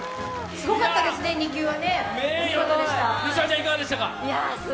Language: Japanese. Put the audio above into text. すごかったですね、２球はね。